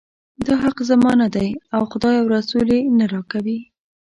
دا حق زما نه دی او خدای او رسول یې نه راکوي.